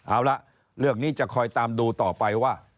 เอาละเรื่องนี้จะคอยตามดูต่อไปว่า